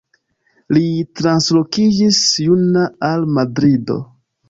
Li translokiĝis juna al Madrido.